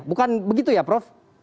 bukan begitu ya prof